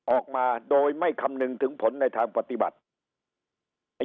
ออกมาโดยไม่คำนึงถึงผลในทางปฏิบัติ